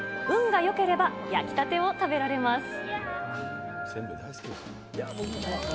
運がよければ焼きたてを食べられます。